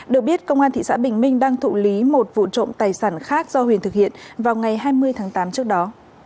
được biết công an thị xã bình minh đang thụ lý một vụ trộm tài sản khác do huyền thực hiện vào ngày hai mươi tháng tám trước đó